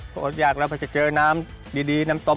พออดยากละพอจากจะเจอน้ำดีน้ำต้มอร่อย